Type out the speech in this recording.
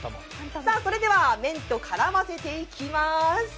それでは麺と絡ませていきます。